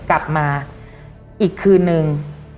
กลับมาอีกคืนนึง